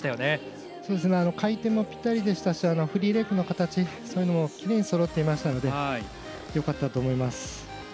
回転もぴったりでしたしフリーレッグの形そういうのもきれいにそろっていましたのでよかったと思います。